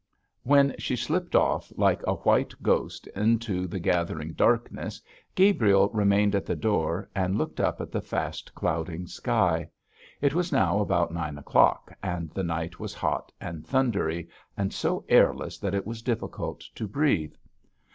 When she slipped off like a white ghost into the gathering darkness, Gabriel remained at the door and looked up to the fast clouding sky. It was now about nine o'clock, and the night was hot and thundery, and so airless that it was difficult to breathe.